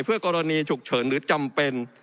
เพื่อกรณีฉุกเฉินหรือจำเป็น